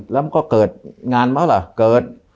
แล้วมันก็เกิดงานเข้าแล้วเหรอ